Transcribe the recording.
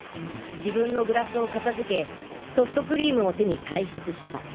自分のグラスを片付けソフトクリームを手に退室した。